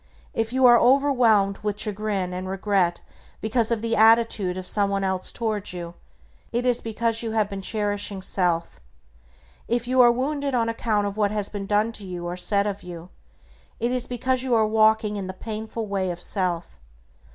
If you are overwhelmed with chagrin and regret because of the attitude of someone else toward you, it is because you have been cherishing self. If you are wounded on account of what has been done to you or said of you, it is because you are walking in the painful way of self.